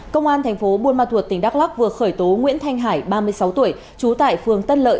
công an thành phố buôn ma thuột tỉnh đắk lắc vừa khởi tố nguyễn thanh hải ba mươi sáu tuổi trú tại phường tân lợi